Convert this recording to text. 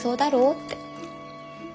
って。